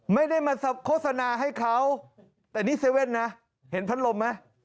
ไม่ได้มาโฆษณาให้เขาแต่นี่๗๑๑นะเห็นพัดลมไหม